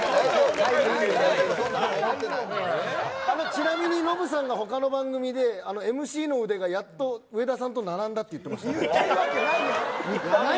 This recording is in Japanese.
ちなみにノブさんが他の番組でＭＣの腕がやっと上田さんと並んだって言ってるわけない！